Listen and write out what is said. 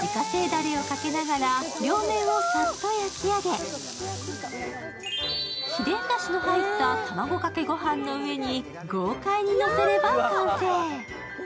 だれをかけながら両面をサッと焼き上げ、秘伝だしの入った卵かけご飯の上に豪快に乗せれば完成。